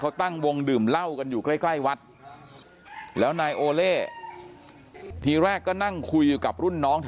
เขาตั้งวงดื่มเหล้ากันอยู่ใกล้วัดแล้วนายโอเล่ทีแรกก็นั่งคุยอยู่กับรุ่นน้อง